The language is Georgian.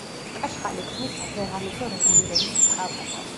კაშხალი ქმნის სადღეღამისო რეგულირების წყალსაცავს.